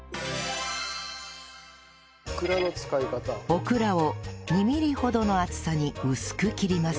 オクラを２ミリほどの厚さに薄く切ります